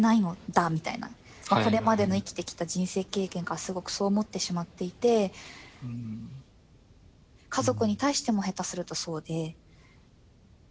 これまでの生きてきた人生経験からすごくそう思ってしまっていて家族に対しても下手するとそうで。